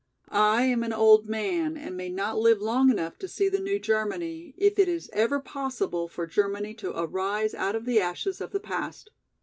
I am an old man and may not live long enough to see the new Germany if it is ever possible for Germany to arise out of the ashes of the past.